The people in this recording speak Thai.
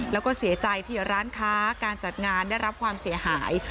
แล้วก็เสียใจที่ร้านค้าการจัดงานได้รับความเสียหาย